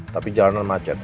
tapi jalanan macet